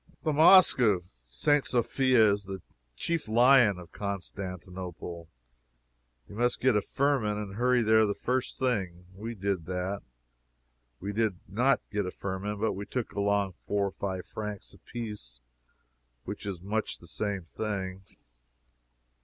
The Mosque of St. Sophia is the chief lion of Constantinople. You must get a firman and hurry there the first thing. We did that. We did not get a firman, but we took along four or five francs apiece, which is much the same thing.